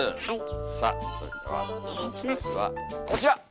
さあそれではこちら！